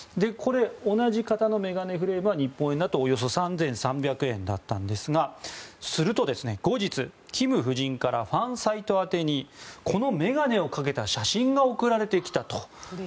同じ型の眼鏡フレームは日本円だとおよそ３３００円だったんですがすると後日キム夫人からファンサイト宛てにこの眼鏡をかけた写真が送られてきたと。